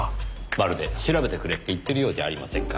まるで調べてくれって言ってるようじゃありませんか。